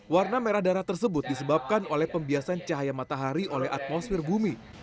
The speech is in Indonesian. warna merah darah tersebut disebabkan oleh pembiasan cahaya matahari oleh atmosfer bumi